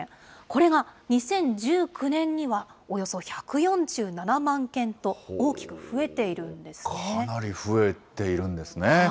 これが２０１９年にはおよそ１４７万件と、大きく増えているんでかなり増えているんですね。